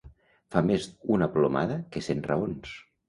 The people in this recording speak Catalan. Fa més una plomada que cent raons.